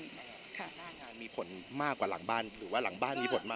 หน้างานมีผลมากกว่าหลังบ้านหรือว่าหลังบ้านมีผลมาก